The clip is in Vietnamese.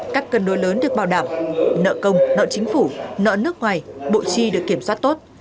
các cân đối lớn được bảo đảm nợ công nợ chính phủ nợ nước ngoài bộ chi được kiểm soát tốt